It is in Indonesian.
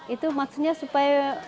itu maksudnya supaya